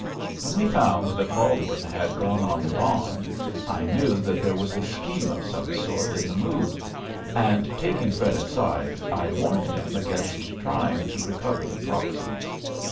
When we found that Baldwin had gone on the bond, I knew that there was a scheme of some sort in the move, and, taking Fred aside, I warned him against trying to recover the proxies.